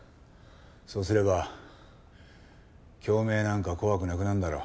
そうすれば京明なんか怖くなくなるだろ。